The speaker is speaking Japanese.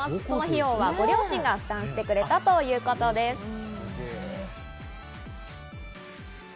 その費用はご両親が負担してくれたということです。